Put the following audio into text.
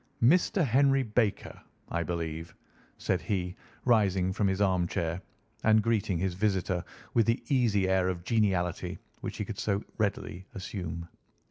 "Mr. Henry Baker, I believe," said he, rising from his armchair and greeting his visitor with the easy air of geniality which he could so readily assume.